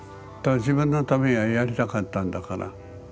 自分のためにはやりたかったんだから。